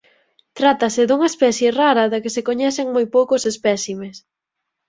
Trátase dunha especie rara da que se coñecen moi poucos espécimes.